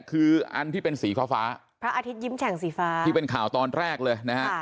คืออันที่เป็นสีฟ้าฟ้าพระอาทิตยิ้มแฉ่งสีฟ้าที่เป็นข่าวตอนแรกเลยนะฮะ